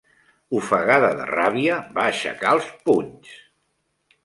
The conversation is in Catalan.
Ofegada de ràbia, va aixecar els punys.